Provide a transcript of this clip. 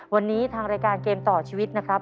วันนี้ทางรายการเกมต่อชีวิตนะครับ